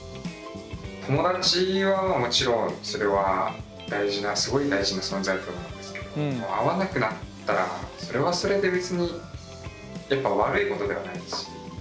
友達はもちろんそれは大事なすごい大事な存在だと思うんですけどもう合わなくなったらそれはそれで別にやっぱ悪いことではないし。